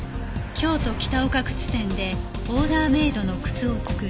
「京都キタオカ靴店でオーダーメイドの靴を作る」